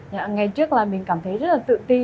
ngày trước là mình cảm thấy rất là tự ti